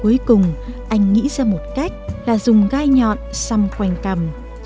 cuối cùng anh nghĩ ra một cách là dùng gai nhọn xăm quanh cầm rồi lấy lá chàm xát vào